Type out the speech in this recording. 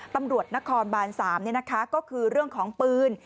ตำรวจนครบาน๓ก็คือเรื่องของปืน